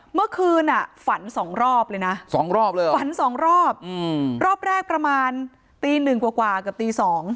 เมื่อคืนฝันสองรอบเลยนะ๒รอบเลยเหรอฝันสองรอบรอบแรกประมาณตีหนึ่งกว่าเกือบตี๒